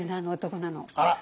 あら！